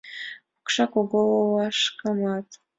Пукша кугу лашкамат